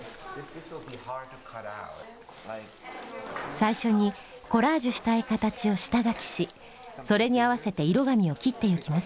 最初にコラージュしたい形を下書きしそれに合わせて色紙を切っていきます。